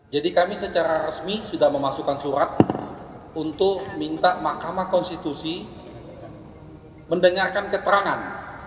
jadi kami secara resmi sudah memasukkan surat untuk minta mahkamah konstitusi mendengarkan keterangan